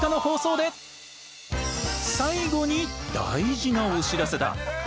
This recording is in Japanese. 最後に大事なお知らせだ。